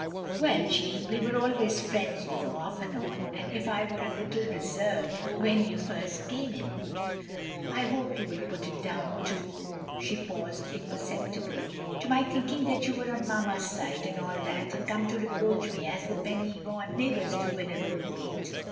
" Well Jeanne, we were always friends, you know, oS and on — ^and if I was a little — reserved when you first came in, I hope you will put it down to —" she paused imperceptibly — "to my thinking you were on Mamma's side, and all that, and come to reproach me, as the Pen y waun neighbours do whenever we meet.